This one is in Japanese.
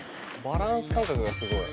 バランス感覚がすごい！